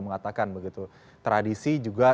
mengatakan tradisi juga